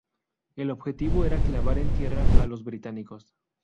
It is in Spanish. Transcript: El objetivo era clavar en tierra a los británicos.